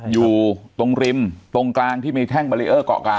อยู่ตรงริมตรงกลางที่มีแท่งบารีเออร์เกาะกลาง